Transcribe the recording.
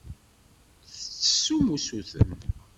Ur d-tettessum usuten.